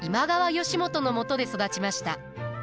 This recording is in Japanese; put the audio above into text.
義元のもとで育ちました。